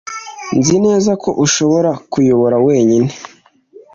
Nzi neza ko ushobora kuyobora wenyine